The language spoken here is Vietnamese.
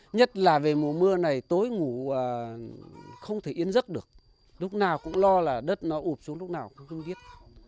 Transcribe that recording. nhất là về mùa mưa này tối ngủ không thể yên giấc được lúc nào cũng lo là đất nó ụt xuống lúc nào cũng không biết